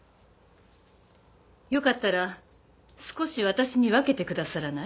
よかったら少し私に分けてくださらない？